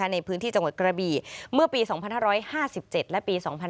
ในพื้นที่จังหวัดกระบี่เมื่อปี๒๕๕๗และปี๒๕๕๙